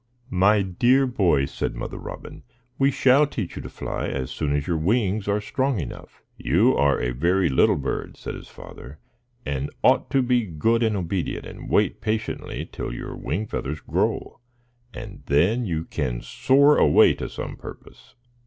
"My dear boy," said Mother Robin, "we shall teach you to fly as soon as your wings are strong enough." "You are a very little bird," said his father, "and ought to be good and obedient, and wait patiently till your wing feathers grow; and then you can soar away to some purpose."